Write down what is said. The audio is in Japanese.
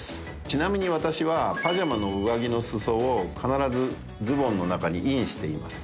ちなみに私はパジャマの上着の裾を必ずズボンの中にインしています。